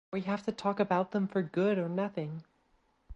Or you have to talk about them for good or nothing.